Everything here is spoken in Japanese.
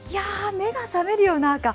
目が覚めるような赤。